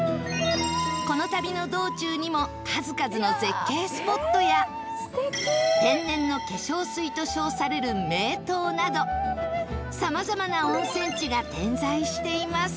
この旅の道中にも数々の絶景スポットや天然の化粧水と称される名湯などさまざまな温泉地が点在しています